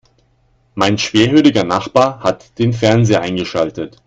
Mein schwerhöriger Nachbar hat den Fernseher eingeschaltet.